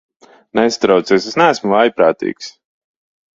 Nesatraucieties, es neesmu vājprātīgs.